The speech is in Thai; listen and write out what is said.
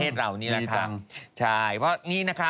ดีจัง